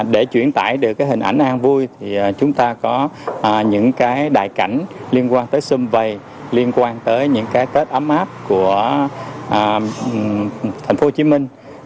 để chuyển tải được cái hình ảnh an vui thì chúng ta có những cái đại cảnh liên quan tới sân bay liên quan tới những cái tết ấm áp của thành phố hồ chí minh